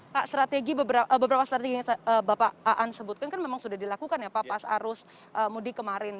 pak beberapa strategi yang bapak aan sebutkan kan memang sudah dilakukan ya pak pas arus mudik kemarin